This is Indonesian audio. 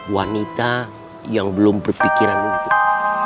wanita yang belum berpikiran untuk